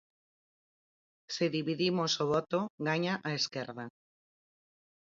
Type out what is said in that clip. Se dividimos o voto, gaña a esquerda.